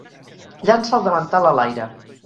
Llança el davantal a l'aire.